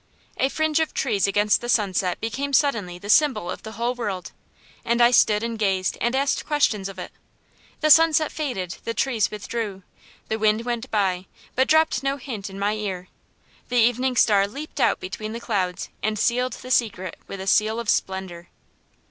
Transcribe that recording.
A fringe of trees against the sunset became suddenly the symbol of the whole world, and I stood and gazed and asked questions of it. The sunset faded; the trees withdrew. The wind went by, but dropped no hint in my ear. The evening star leaped out between the clouds, and sealed the secret with a seal of splendor.